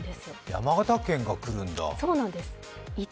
山形県が来るんだ。